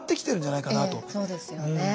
そうですよね。